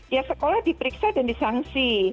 ya sekolah diperiksa dan disangsi